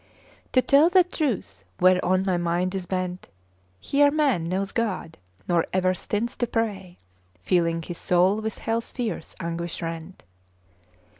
To tell the truth whereon my mind is bent, Here man knows God, nor ever stints to pray, Feeling his soul with hell's fierce anguish rent.